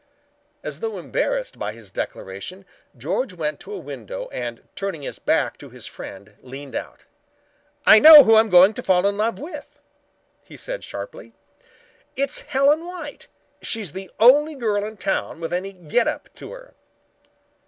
As though embarrassed by his declaration, George went to a window and turning his back to his friend leaned out. "I know who I'm going to fall in love with," he said sharply. "It's Helen White. She is the only girl in town with any 'get up' to her."